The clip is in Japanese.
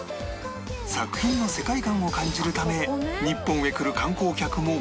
作品の世界観を感じるため日本へ来る観光客も多いという